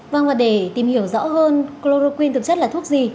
vâng và để tìm hiểu rõ hơn chloroquin thực chất là thuốc gì